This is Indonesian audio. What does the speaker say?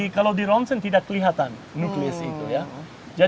kalau di ronsen tidak kelihatan nuklis itu ya